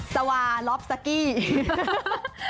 สวัสดีครับ